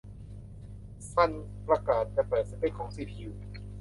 ซันประกาศจะเปิดสเปคของซีพียู